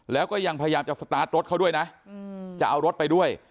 แล้วก็ยังพยายามจะสตาร์ทรถเขาด้วยนะจะเอารถไปด้วย